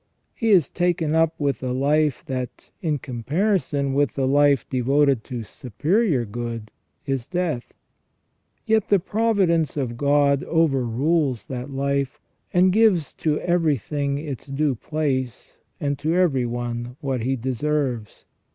He is taken up with a life that, in comparison with the life devoted to superior good, is death. Yet the providence of God overrules that life, and gives to everything its due place, and to everyone what he deserves.